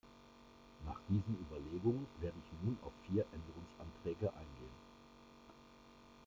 Nach diesen Überlegungen werde ich nun auf vier Änderungsanträge eingehen.